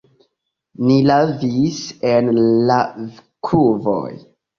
Ni lavis en lavkuvoj.